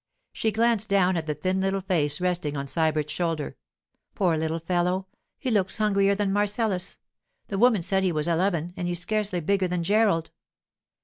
She glanced down at the thin little face resting on Sybert's shoulder. 'Poor little fellow! He looks hungrier than Marcellus. The woman said he was eleven, and he's scarcely bigger than Gerald.